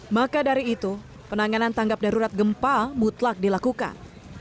maka dari itu penanganan tanggap darurat gempa mutlak dilakukan